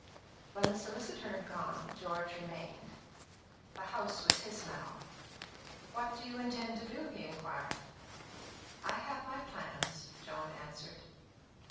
When the solicitor had gone, George remained. The house was his house now. "What do you intend to do?" he inquired. "I have my plans," Joan answered.